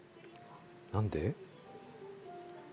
何で。